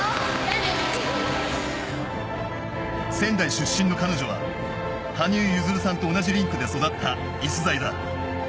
仙台出身の彼女は羽生結弦さんと同じリンクで育った逸材だ。